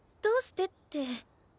どうしてって。